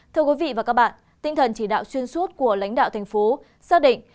thưa quý vị và các bạn tinh thần chỉ đạo xuyên suốt của lãnh đạo thành phố xác định